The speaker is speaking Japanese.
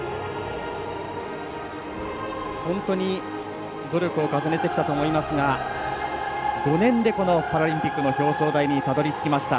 本当に努力を重ねてきたと思いますが５年でパラリンピックの表彰台にたどり着きました。